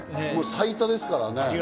最多ですからね。